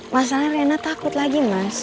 masalahnya rena takut lagi mas